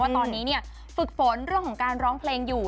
ตอนนี้ฝึกฝนเรื่องของการร้องเพลงอยู่